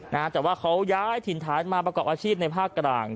นะฮะแต่ว่าเขาย้ายถิ่นฐานมาประกอบอาชีพในภาคกลาง